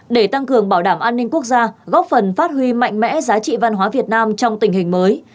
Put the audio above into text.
để tăng cường bảo đảm an ninh quốc gia góp phần phát huy mạnh mẽ giá trị văn hóa việt nam trong tình hình mới